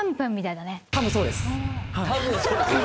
「多分そうです」。